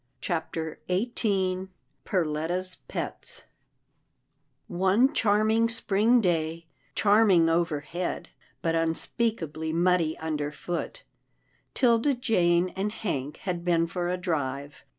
CHAPTER XVIII PERLETTA^'S PETS One charming spring day — charming overhead, but unspeakably muddy underfoot, 'Tilda Jane and Hank had been for a drive.